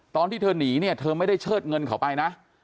ตอนที่เธอหนีเนี่ยเธอไม่ได้เชิดเงินเขาไปนะ